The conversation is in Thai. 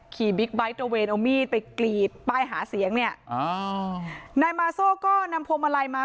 ขี่บิ๊กไบค์ไปกรีดป้ายหาเสียงเนี่ยอ๋อนายมาโซ่ก็นำพวงมาลัยมา